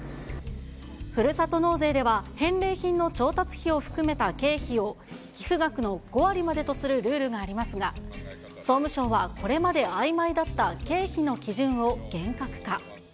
ふるさと納税では、返礼品の調達費を含めた経費を、寄付額の５割までとするルールがありますが、総務省はこれまであいまいだった経費の基準を厳格化。